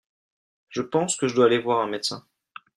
Je pense que je dois aller voir un médecin.